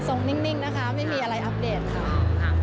นิ่งนะคะไม่มีอะไรอัปเดตค่ะ